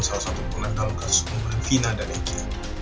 salah satu pemerintah lukas umum vina dan egy